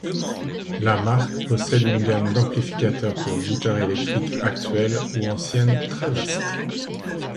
La marque possède une gamme d'amplificateurs pour guitare électrique actuelle ou ancienne très vaste.